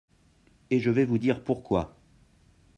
et je vais vous dire pourquoi.